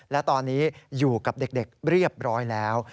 และตอนนี้อยู่กับเด็กเรียบร้อยแล้ว